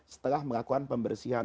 setelah melakukan pembersihan